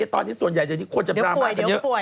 ตอนนี้ส่วนใหญ่เนี่ยควรจะราวมาก็เยอะ